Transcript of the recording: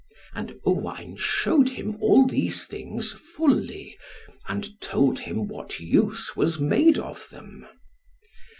And Owain shewed him all these things fully, and told him what use was made of them.